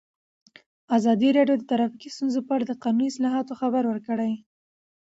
ازادي راډیو د ټرافیکي ستونزې په اړه د قانوني اصلاحاتو خبر ورکړی.